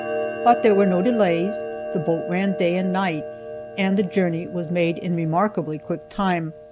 But there were no delays, the boat ran day and night, and the journey was made in remarkably quick time.